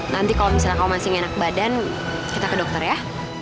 nanti kalau misalnya kamu masih enak badan kita ke dokter ya